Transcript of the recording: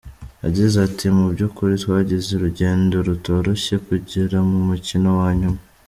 Yagize ati:” Mu by’ukuri twagize urugendo rutoroshye kugera ku mukino wa nyuma.